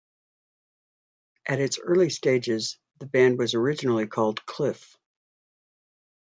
At its early stages the band was originally called Cliff.